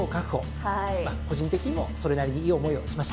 まあ個人的にもそれなりにいい思いをしました。